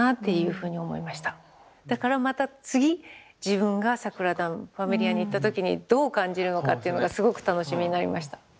だからまた次自分がサグラダ・ファミリアに行った時にどう感じるのかっていうのがすごく楽しみになりました。